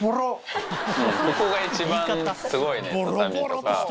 ここが一番すごいね畳とか。